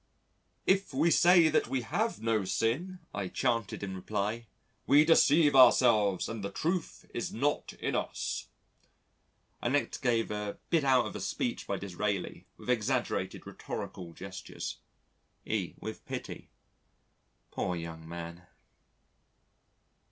"If we say that we have no sin" I chanted in reply, "we deceive ourselves and the truth is not in us." I next gave a bit out of a speech by Disraeli with exaggerated rhetorical gestures. E (with pity): "Poor young man."